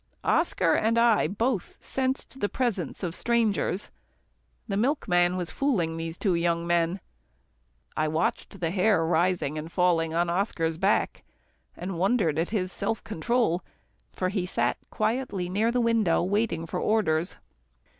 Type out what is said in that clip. Oscar and I both sensed the presence of strangers. The milkman was fooling the two young men. I watched the hair rising and falling on Oscar's back, and wondered at his self control, for he sat quietly near the widow, waiting for orders.